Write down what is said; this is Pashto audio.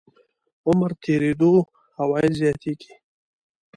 عمر تېرېدو عواید زیاتېږي.